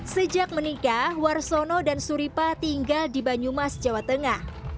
sejak menikah warsono dan suripa tinggal di banyumas jawa tengah